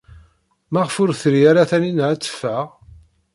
Maɣef ur tri ara Taninna ad teffeɣ?